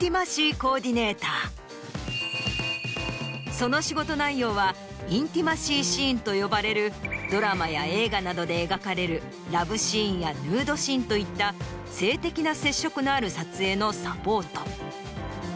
その仕事内容はインティマシー・シーンと呼ばれるドラマや映画などで描かれるラブシーンやヌードシーンといった性的な接触のある撮影のサポート。